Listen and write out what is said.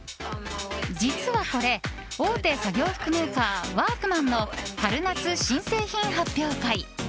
実は、これ大手作業服メーカーワークマンの春夏新製品発表会。